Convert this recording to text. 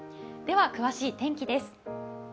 詳しい天気です。